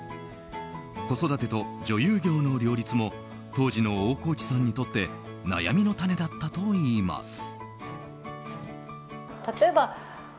子育てと女優業の両立も当時の大河内さんにとって悩みの種だったといいます。